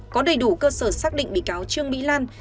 có đầy đủ cơ sở xác định bị cáo trương mỹ lan